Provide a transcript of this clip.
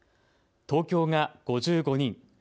東京が５５人。